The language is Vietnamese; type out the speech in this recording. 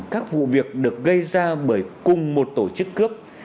các vụ việc được gây ra bởi cùng một tổ chức cướp